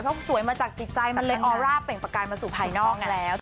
เพราะสวยมาจากใจมันเป็นออร่าเปลี่ยนประกายมาสู่ภายนอก